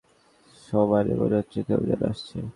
সমানে মনে হচ্ছে কেউ যেন আসছে।